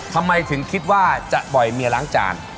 ทำไมถึงคิดว่าจะปล่อยเมียล้างจาน